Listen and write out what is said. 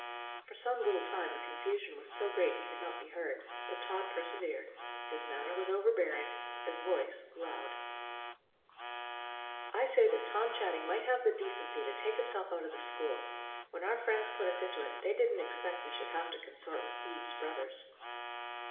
For some little time the confusion was so great he could not be heard, but Tod persevered; his manner was overbearing, his voice loud. "I say that Tom Channing might have the decency to take himself out of the school. When our friends put us into it, they didn't expect we should have to consort with thieves' brothers."